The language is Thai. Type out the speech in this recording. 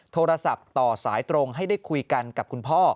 โทรศัพท์ต่อสายตรงให้ได้คุยกันกับคุณพ่อ